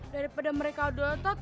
daripada mereka adu otot